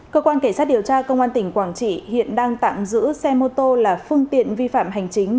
cơ quan cảnh sát điều tra công an tỉnh quảng trị hiện đang tạm giữ xe mô tô là phương tiện vi phạm hành chính